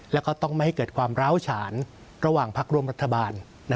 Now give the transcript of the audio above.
แล้วก็ต้องไม่ให้เกิดความร้าวฉานระหว่างพักร่วมรัฐบาล